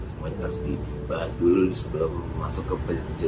semuanya harus dibahas dulu sebelum masuk ke jenjang pernikahan